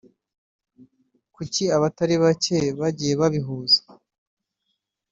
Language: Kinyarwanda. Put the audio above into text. Kuki abatari bake bagiye babihuza